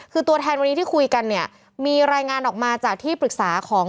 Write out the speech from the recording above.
คือตัวแทนวันนี้ที่คุยกันเนี่ยมีรายงานออกมาจากที่ปรึกษาของ